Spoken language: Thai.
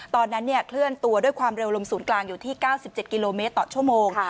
ตอนนั้นเคลื่อนตัวด้วยความเร็วลมศูนย์กลางอยู่ที่๙๗กิโลเมตรต่อชั่วโมง